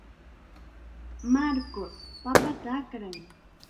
Marcos, papata akray.